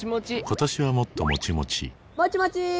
今年はもっともちもちもちもちー！